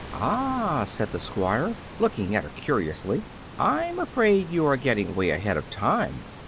"Ah," said the Squire, looking at her curiously, "I'm afraid you are getting way ahead of time.